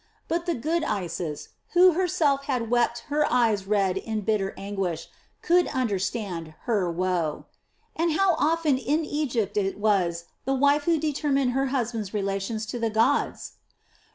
But the good Isis, who herself had wept her eyes red in bitter anguish, could understand her woe. And how often in Egypt it was the wife who determined her husband's relations to the gods!